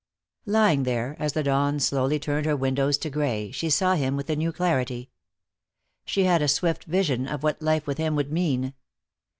Lying there, as the dawn slowly turned her windows to gray, she saw him with a new clarity. She had a swift vision of what life with him would mean.